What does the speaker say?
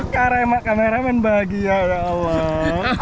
karema kameramen bahagia ya allah